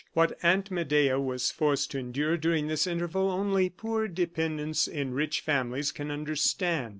What Aunt Medea was forced to endure during this interval, only poor dependents in rich families can understand.